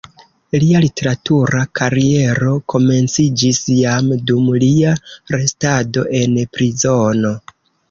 Lia literatura kariero komenciĝis jam dum lia restado en prizono.